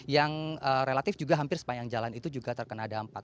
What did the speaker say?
yang relatif juga hampir sepanjang jalan itu juga terkena dampak